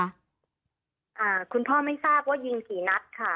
อ่าคุณพ่อไม่ทราบว่ายิงกี่นัดค่ะ